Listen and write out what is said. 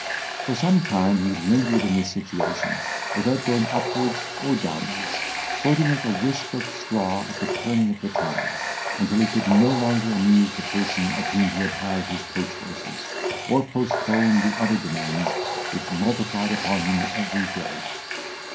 For some time he lingered in this situation, without going upwards or downwards, floating like a wisp of straw at the turning of the tide, until he could no longer amuse the person of whom he had hired his coach horses, or postpone the other demands, which multiplied upon him every day.